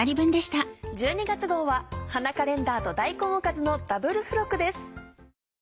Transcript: １２月号は「花カレンダー」と「大根おかず」のダブル付録です。